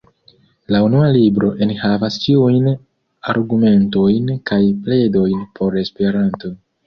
La Unua Libro enhavas ĉiujn argumentojn kaj pledojn por Esperanto.